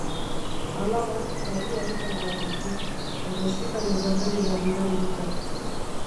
Alabak zauri arinagoak ditu, eta ospitale berberera bidali dute.